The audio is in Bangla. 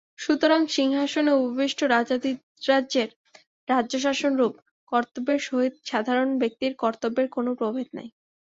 সুতরাং সিংহাসনে উপবিষ্ট রাজাধিরাজের রাজ্যশাসনরূপ কর্তব্যের সহিত সাধারণ ব্যক্তির কর্তব্যের কোন প্রভেদ নাই।